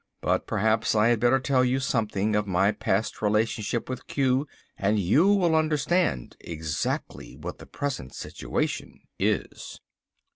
But perhaps I had better tell you something of my past relationship with Q, and you will understand exactly what the present situation is."